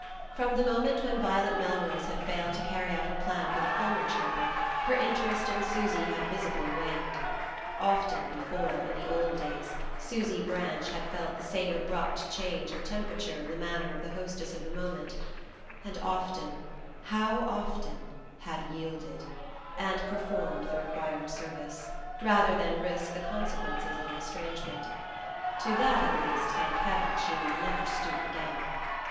From the moment when Violet Melrose had failed to carry out her plan for the Fulmer children her interest in Susy had visibly waned. Often before, in the old days, Susy Branch had felt the same abrupt change of temperature in the manner of the hostess of the moment; and often how often had yielded, and performed the required service, rather than risk the consequences of estrangement. To that, at least, thank heaven, she need never stoop again.